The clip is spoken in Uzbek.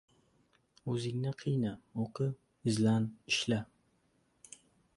Oʻzingni qiyna, oʻqi, izlan, ishla.